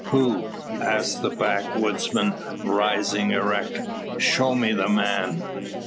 "Who?" asks the backwoodsman, rising erect, "show me the man."